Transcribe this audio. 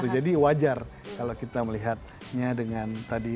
jadi wajar kalau kita melihatnya dengan tadi